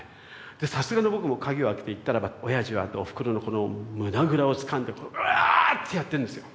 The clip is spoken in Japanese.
でさすがの僕も鍵を開けて行ったらばおやじはおふくろのこの胸ぐらをつかんで「うわぁ！」ってやってんですよ。